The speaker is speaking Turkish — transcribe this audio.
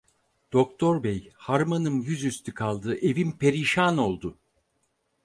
Doktor Bey, harmanım yüzüstü kaldı, evim perişan oldu.